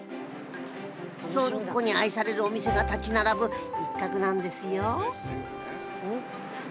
ソウルっ子に愛されるお店が立ち並ぶ一角なんですよん？